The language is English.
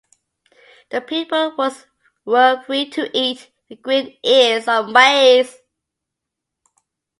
The people were free to eat the green ears of maize.